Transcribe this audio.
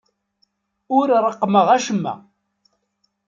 Ur reqqmeɣ acemma.